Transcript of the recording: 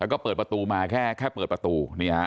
แล้วก็เปิดประตูมาแค่เปิดประตู